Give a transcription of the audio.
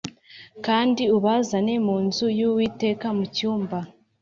kandi ubazane mu nzu y Uwiteka mu cyumba